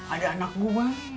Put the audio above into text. ada anak gua